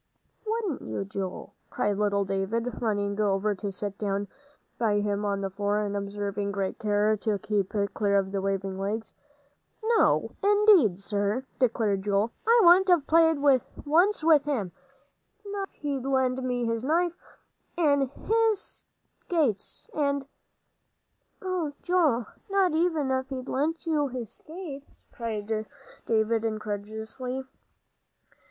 "Wouldn't you, Joel?" cried little David, running over to sit down by him on the floor, and observing great care to keep clear of the waving legs. "No, indeed, sir," declared Joel. "I wouldn't have played once with him, not if he'd lent me his knife. An' his skates and " "Oh, Joel, not even if he'd lent you his skates?" cried David, incredulously.